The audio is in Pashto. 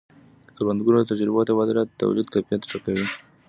د کروندګرو د تجربو تبادله د تولید کیفیت ښه کوي.